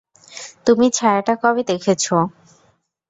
তুমি ছায়াটা কবে দেখেছ?